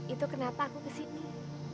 itu kenapa aku kesini